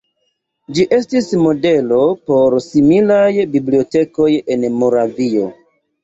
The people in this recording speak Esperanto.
Ĝi estis modelo por similaj bibliotekoj en Moravio.